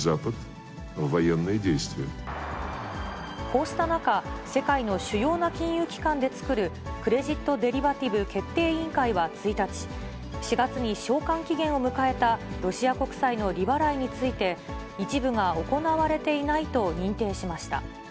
こうした中、世界の主要な金融機関で作るクレジットデリバティブ決定委員会は１日、４月に償還期限を迎えたロシア国債の利払いについて、一部が行われていないと認定しました。